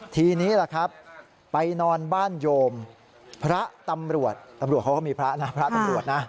ทีนี้ล่ะครับไปนอนบ้านโยมพระตำรวจตำรวจเขาก็มีพระนะพระตำรวจนะ